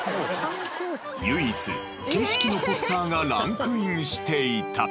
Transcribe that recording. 唯一景色のポスターがランクインしていた。